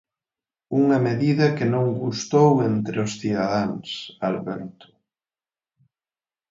Unha medida que non gustou entre os cidadáns, Alberto...